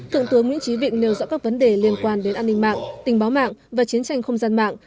thượng tướng nguyễn trí vịnh nêu dõi các vấn đề liên quan đến an ninh mạng tình báo mạng và chiến tranh không gian mạng